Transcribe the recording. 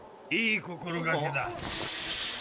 いい心がけだ。